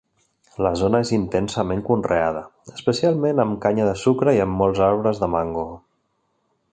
La zona és intensament conreada, especialment amb canya de sucre, amb molts arbres de mango.